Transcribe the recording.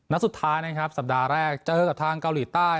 นัดสุดท้ายนะครับสัปดาห์แรกเจอกับทางเกาหลีใต้